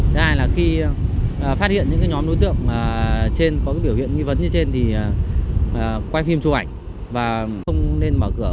thứ hai là khi phát hiện những nhóm đối tượng trên có biểu hiện nghi vấn như trên thì quay phim chụp ảnh và không nên mở cửa